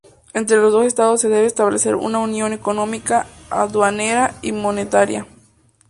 Entre los dos estados se debe establecer una unión económica, aduanera y monetaria.